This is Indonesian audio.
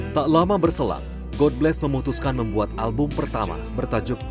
tak lama berselang god bless memutuskan membuat album pertama bertajuk